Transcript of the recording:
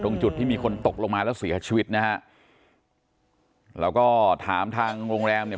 จุดที่มีคนตกลงมาแล้วเสียชีวิตนะฮะแล้วก็ถามทางโรงแรมเนี่ย